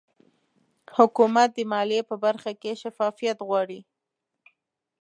حکومت د مالیې په برخه کې شفافیت غواړي